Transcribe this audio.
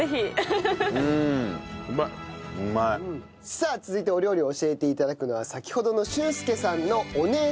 さあ続いてお料理を教えて頂くのは先ほどの駿介さんのお姉様の晶絵さんです。